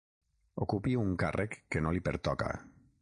Ocupi un càrrec que no li pertoca.